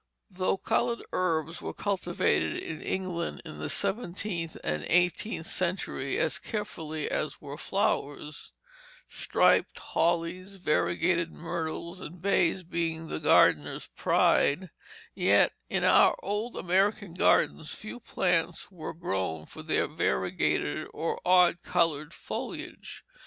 Though "colored herbs" were cultivated in England in the seventeenth and eighteenth centuries as carefully as were flowers, striped hollies, variegated myrtles, and bays being the gardener's pride, yet in our old American gardens few plants were grown for their variegated or odd colored foliage.